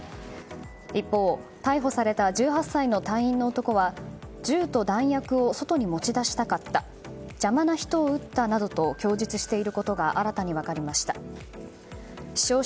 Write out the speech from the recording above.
一方、逮捕された１８歳の隊員の男は銃と弾薬を外に持ち出したかった邪魔な人を撃ったなどと供述していることが新たに分かりました。